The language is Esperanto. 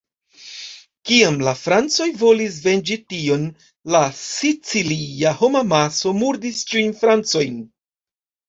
Kiam la francoj volis venĝi tion, la sicilia homamaso murdis ĉiujn francojn.